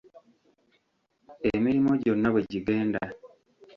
Emirimo gyonna bwe gigenda.